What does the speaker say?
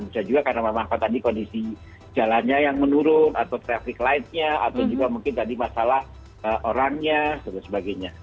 bisa juga karena memang tadi kondisi jalannya yang menurun atau traffic light nya atau juga mungkin tadi masalah orangnya dan sebagainya